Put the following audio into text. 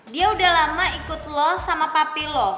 dia udah lama ikut lo sama papi lo